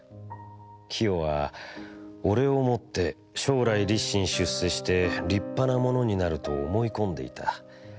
清はおれをもって将来立身出世して立派なものになると思い込んでいた。